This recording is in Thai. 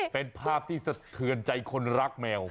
เป็นภาพที่สะเทือนใจคนรักแมว